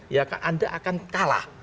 ya anda akan kalah